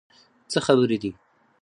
څه خبرې دي؟